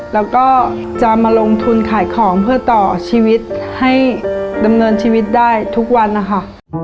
แล้วก็จะมาลงทุนขายของเพื่อต่อชีวิตให้ดำเนินชีวิตได้ทุกวันนะคะ